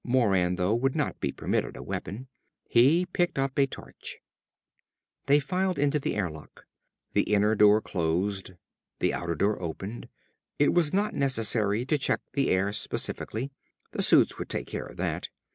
Moran, though, would not be permitted a weapon. He picked up a torch. They filed into the airlock. The inner door closed. The outer door opened. It was not necessary to check the air specifically. The suits would take care of that.